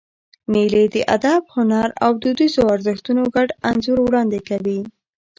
مېلې د ادب، هنر او دودیزو ارزښتونو ګډ انځور وړاندي کوي.